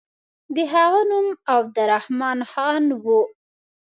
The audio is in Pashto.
د هغه نوم عبدالرحمن خان وو.